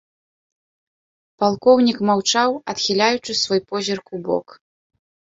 Палкоўнік маўчаў, адхіляючы свой позірк убок.